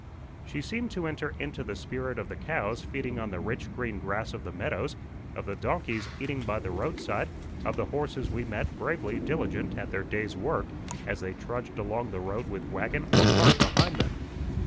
She seemed to enter into the spirit of the cows feeding on the rich green grass of the meadows, of the donkeys eating by the roadside, of the horses we met bravely diligent at their day's work, as they trudged along the road with wagon or cart behind them.